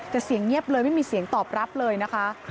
แต่เสียงเงียบเลยไม่มีเสียงตอบรับเลยนะคะ